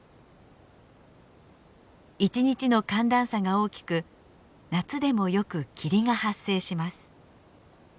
一日の寒暖差が大きく夏でもよく霧が発生します。